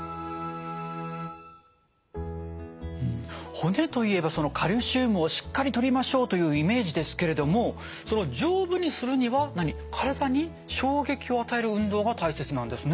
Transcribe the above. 骨といえばカルシウムをしっかりとりましょうというイメージですけれども丈夫にするには体に衝撃を与える運動が大切なんですね。